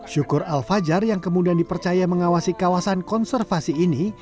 syukur al fajar yang kemudian dipercaya mengawasi kawasan konservasi ini